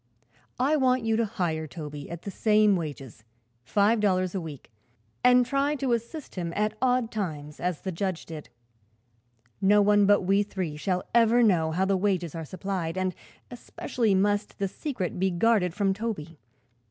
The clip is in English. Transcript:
I want you to hire Toby at the same wages five dollars a week and try to assist him at odd times as the judge did. No one but we three shall ever know how the wages are supplied, and especially must the secret be guarded from Toby.